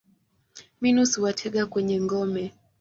Minus huwatega kwenye ngome.